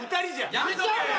やめとけ。